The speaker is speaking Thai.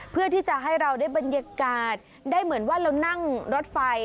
เพื่อที่จะให้เราได้บรรยากาศได้เหมือนว่าเรานั่งรถไฟ